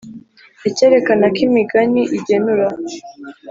Ikerekana ko imigani igenura